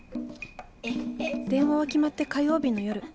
電話は決まって火曜日の夜。